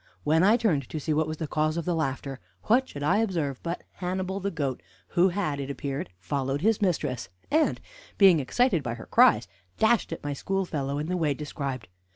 When I turned to see what was the cause of the laughter, what should I observe but Hannibal, the goat, who had, it appeared, followed his mistress, and, being excited by her cries, dashed at my schoolfellow in the way described.